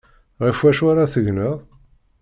Ɣef wacu ara tegneḍ?